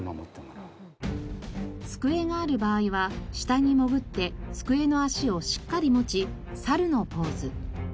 机がある場合は下に潜って机の脚をしっかり持ちサルのポーズ。